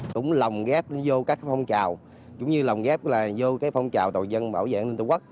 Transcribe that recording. túng lòng ghép vô các phong trào cũng như lòng ghép vô phong trào tàu dân bảo vệ an ninh tổ quốc